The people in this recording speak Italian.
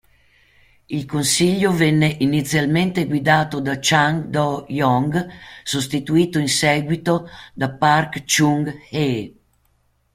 Il consiglio venne inizialmente guidato da Chang Do-yong, sostituito in seguito da Park Chung-hee.